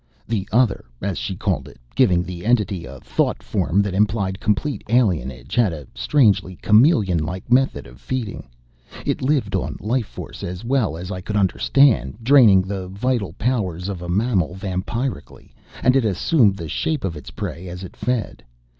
The Other, as she called it giving the entity a thought form that implied complete alienage had a strangely chameleon like method of feeding. It lived on life force, as well as I could understand, draining the vital powers of a mammal vampirically. And it assumed the shape of its prey as it fed.